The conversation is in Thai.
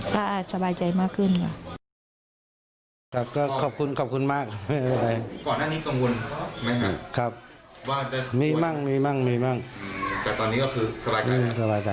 ก็สบายใจมากขึ้นค่ะ